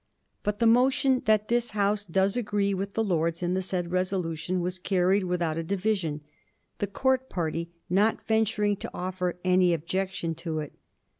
But the motion that ' this House does agree with the Lords in the said resolution ' was carried without a division, the court party not venturing to offer any objection to it.